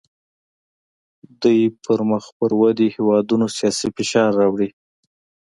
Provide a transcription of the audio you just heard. دوی په مخ پر ودې هیوادونو سیاسي فشار راوړي